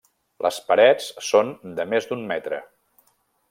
Les parets són de més d'un metre.